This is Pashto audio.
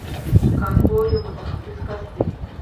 کارپوه یو متخصص کس دی.